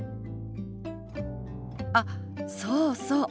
あっそうそう。